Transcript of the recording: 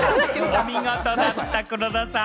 お見事だった、黒田さん。